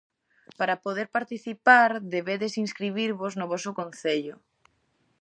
Para poder participar debedes inscribirvos no voso concello.